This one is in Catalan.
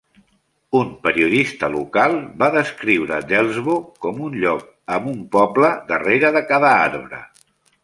Un periodista local va descriure Delsbo com un lloc amb "un poble darrere de cada arbre".